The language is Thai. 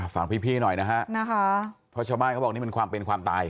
ฟังพี่หน่อยนะฮะเพราะชาวบ้านเขาบอกนี่มันความเป็นความตาย